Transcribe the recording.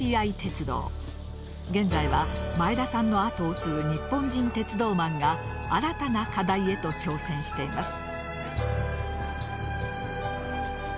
現在は前田さんの後を継ぐ日本人鉄道マンが新たな課題へと挑戦しています。